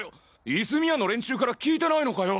泉谷の連中から聞いてないのかよ！